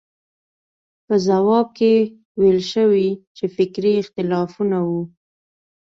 په ځواب کې ویل شوي چې فکري اختلافونه وو.